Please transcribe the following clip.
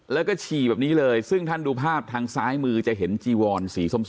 แล้วก็ฉี่แบบนี้เลยซึ่งท่านดูภาพทางซ้ายมือจะเห็นจีวอนสีส้ม